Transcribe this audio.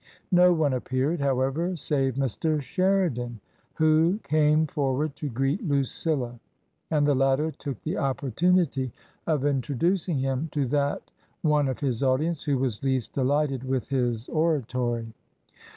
No one appeared, however, save Mr. Sheridan, who came forward to greet Lucilla; and the latter took the opportunity of intro ducing him to that one of his audience who was least delighted with his oratory.